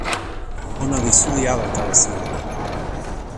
ona li suli ala tawa sina.